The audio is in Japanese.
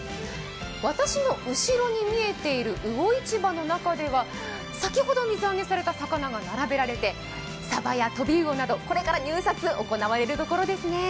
私の後ろに見えている魚市場の中では先ほど水揚げされた魚が並べられてさばやトビウオなど、これから入札が行われるところです。